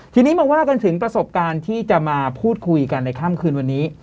ทีนี้มาว่ากันถึงประสบการณ์ที่จะมาพูดคุยกันในค่ำคืนวันนี้